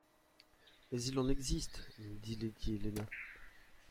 Mais il en existe, dit lady Helena.